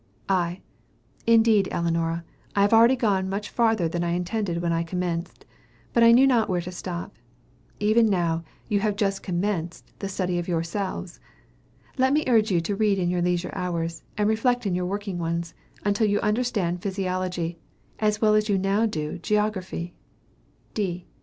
I. Indeed, Ellinora, I have already gone much farther than I intended when I commenced. But I knew not where to stop. Even now, you have but just commenced the study of yourselves. Let me urge you to read in your leisure hours, and reflect in your working ones, until you understand physiology, as well as you now do geography.